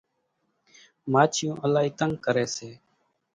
ماڇِيوُن الائِي تنڳ ڪريَ سي۔